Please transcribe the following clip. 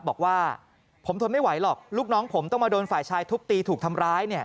บอกว่าผมทนไม่ไหวหรอกลูกน้องผมต้องมาโดนฝ่ายชายทุบตีถูกทำร้ายเนี่ย